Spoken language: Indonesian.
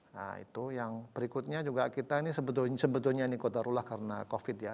nah itu yang berikutnya juga kita ini sebetulnya ini kota rullah karena covid ya